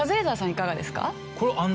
いかがですか？